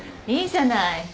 いいじゃない。